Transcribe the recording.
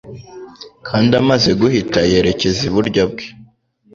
Kandi amaze guhita yerekeza iburyo bwe